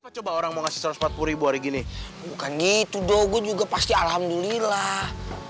coba orang mau ngasih satu ratus empat puluh ribu hari gini bukan gitu dogu juga pasti alhamdulillah